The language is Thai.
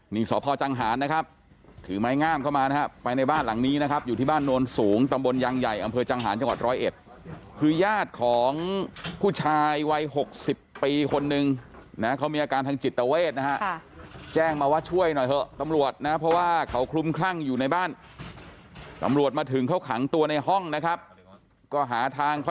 นี่สพจังหารนะครับถือไม้งามเข้ามานะครับไปในบ้านหลังนี้นะครับอยู่ที่บ้านโนนสูงตำบลยางใหญ่อำเภอจังหารจังหวัดร้อยเอ็ดคือญาติของผู้ชายวัย๖๐ปีคนนึงนะเขามีอาการทางจิตเวทนะฮะแจ้งมาว่าช่วยหน่อยเถอะตำรวจนะเพราะว่าเขาคลุมคลั่งอยู่ในบ้านตำรวจมาถึงเขาขังตัวในห้องนะครับก็หาทางค